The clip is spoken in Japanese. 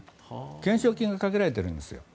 懸賞金がかけられているんですよ。